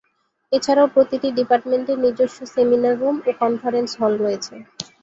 এছাড়াও প্রতিটি ডিপার্টমেন্টের নিজস্ব সেমিনার রুম ও কনফারেন্স হল রয়েছে।